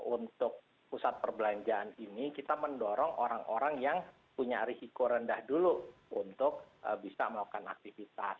untuk pusat perbelanjaan ini kita mendorong orang orang yang punya risiko rendah dulu untuk bisa melakukan aktivitas